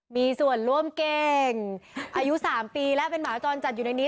มีส่วนร่วมเก่งอายุ๓ปีแล้วเป็นหมาจรจัดอยู่ในนี้